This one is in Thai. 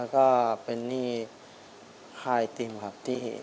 ก็เป็นหนี้ค่าไอติมครับที่